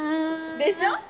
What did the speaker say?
でしょ？